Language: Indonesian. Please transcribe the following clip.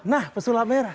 nah pesulap merah